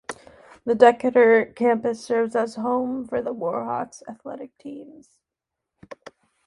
The Decatur campus serves as home for the Warhawks athletic teams.